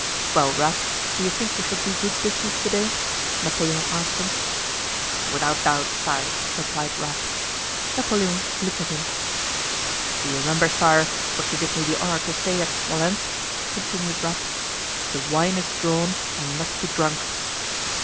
"Well, Rapp, do you think we shall do good business today?" Napoleon asked him. "Without doubt, sire," replied Rapp. Napoleon looked at him. "Do you remember, sire, what you did me the honor to say at Smolénsk?" continued Rapp. "The wine is drawn and must be drunk."